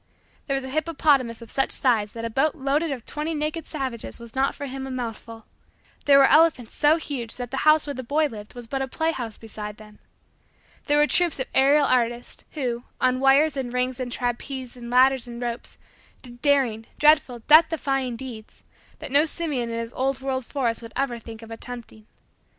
There was a hippopotamus of such size that a boat load of twenty naked savages was not for him a mouthful. There were elephants so huge that the house where the boy lived was but a play house beside them. There were troops of aerial artists, who, on wires and rings and trapeze and ladders and ropes, did daring, dreadful, death defying, deeds, that no simian in his old world forest would ever think of attempting.